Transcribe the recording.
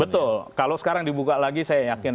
betul kalau sekarang dibuka lagi saya yakin